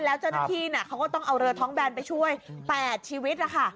แล้วเจ้าหน้าที่เขาก็ต้องเอาเรือท้องแบนไปช่วย๘ชีวิตนะคะ